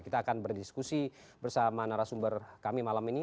kita akan berdiskusi bersama narasumber kami malam ini